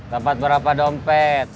dapat berapa dompet